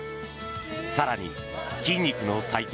更に、筋肉の祭典